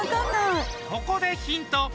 ここでヒント！